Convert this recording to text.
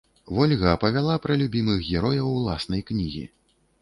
Вольга апавяла пра любімых герояў уласнай кнігі.